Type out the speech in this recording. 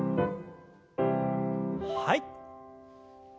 はい。